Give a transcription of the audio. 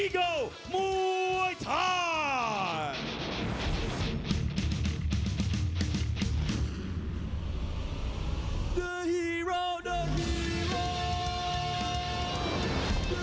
สวัสดีครับทุกคน